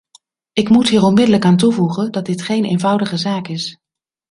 Ik moet hier onmiddellijk aan toevoegen dat dit geen eenvoudige zaak is.